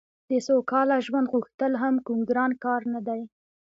د سوکاله ژوند غوښتل هم کوم ګران کار نه دی